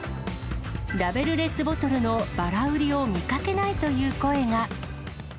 ラベルレスボトルのばら売りを見かけないという声が。